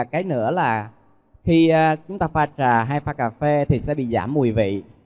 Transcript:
cái nữa là khi chúng ta pha trà hai pha cà phê thì sẽ bị giảm mùi vị